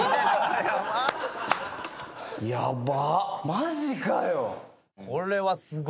マジかよ。